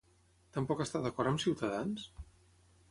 Tampoc està d'acord amb Ciutadans?